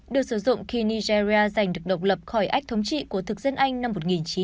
được sử dụng khi nigeria giành được độc lập khỏi ách thống trị của thực dân anh năm một nghìn chín trăm bảy mươi